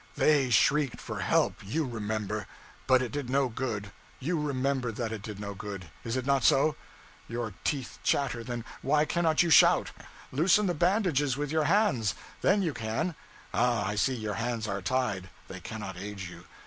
they shrieked for help, you remember; but it did no good; you remember that it did no good, is it not so? Your teeth chatter then why cannot you shout? Loosen the bandages with your hands then you can. Ah, I see your hands are tied, they cannot aid you.